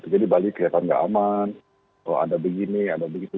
jadi bali kelihatan tidak aman kalau ada begini ada begitu